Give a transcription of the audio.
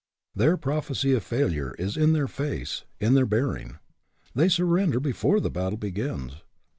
Their prophecy of failure is in their face, in their bearing. They surrender before the battle begins.